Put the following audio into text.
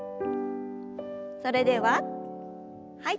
それでははい。